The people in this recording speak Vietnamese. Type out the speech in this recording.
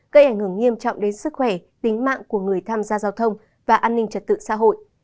gây ảnh hưởng nghiêm trọng đến sức khỏe tính mạng của người tham gia giao thông và an ninh trật tự xã hội